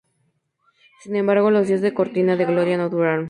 Sin embargo, los días de Cortina de gloria no duraron.